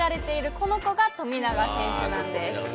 この子が富永選手なんです。